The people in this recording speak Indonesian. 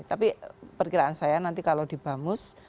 tapi perkiraan saya nanti kalau di bamus